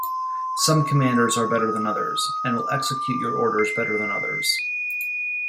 Some commanders are better than others and will execute your orders better than others.